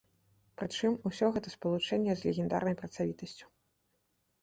Прычым, усё гэта ў спалучэнні з легендарнай працавітасцю.